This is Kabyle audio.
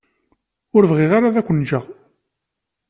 Ur bɣiɣ ara ad ken-ǧǧeɣ.